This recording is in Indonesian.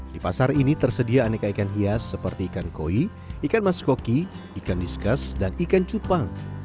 di pasar ini tersedia aneka ikan hias seperti ikan koi ikan maskoki ikan diskas dan ikan cupang